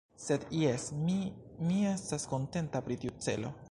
Sed, jes, mi... mi estas kontenta pri tiu celo.